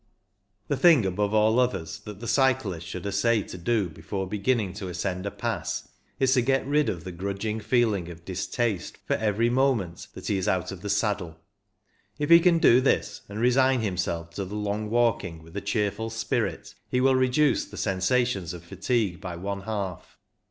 The thing above all others that the cyclist should essay to do before beginning to ascend a pass is to get rid of the grudg ing feeling of distaste for every moment that he is out of the saddle. If he can do this, and resign himself to the long walking with a cheerful spirit, he will reduce the sensations of fatigue by one half.